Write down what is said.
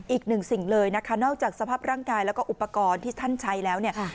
อีกหนึ่งสิ่งเลยนะคะนอกจากสภาพร่างกายแล้วก็อุปกรณ์ที่ท่านใช้แล้วเนี่ย